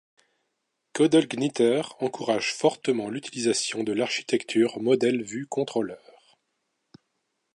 CodeIgniter encourage fortement l'utilisation de l'architecture Modèle-Vue-Contrôleur.